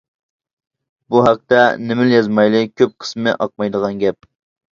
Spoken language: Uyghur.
بۇ ھەقتە نېمىلا يازمايلى كۆپ قىسمى ئاقمايدىغان گەپ.